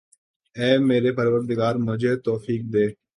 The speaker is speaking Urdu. اے میرے پروردگا مجھے توفیق دے